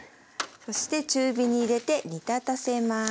そして中火に入れて煮立たせます。